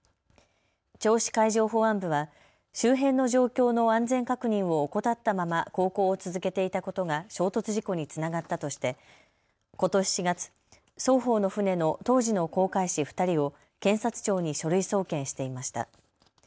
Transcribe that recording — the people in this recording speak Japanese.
銚子海上保安部は周辺の状況の安全確認を怠ったまま航行を続けていたことが衝突事故につながったとしてことし４月、双方の船の当時の航海士２人を検察庁に書類送検していました。